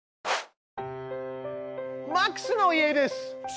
マックスの家です。